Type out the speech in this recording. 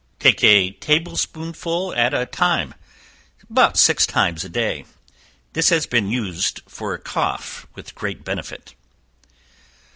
Take a table spoonful at a time about six times a day. This has been used for a cough with great benefit.